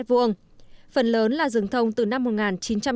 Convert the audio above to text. phần lớn là rừng thông từ năm một nghìn chín trăm chín mươi bảy